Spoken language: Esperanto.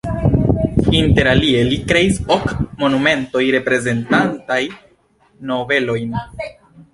Interalie li kreis ok monumentoj reprezentantaj nobelojn.